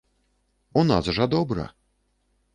У нас жа добра.